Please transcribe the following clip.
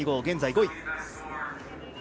現在、５位。